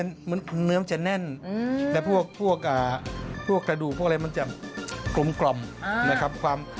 เหมือนเนื้อมันจะแน่นแต่พวกกระดูกพวกอะไรมันจะกลมนะครับ